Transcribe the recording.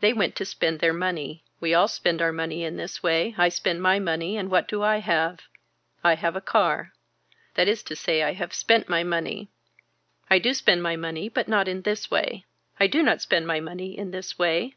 They went to spend their money. We all spend our money in this way I spend my money and what do I have. I have a car. That is to say I have spent my money. I do spend my money but not in this way. I do not spend my money in this way.